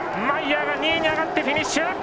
マイヤーが２位に上がってフィニッシュ。